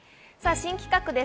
新企画です。